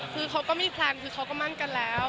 คือเขาก็มีแพลนคือเขาก็มั่นกันแล้ว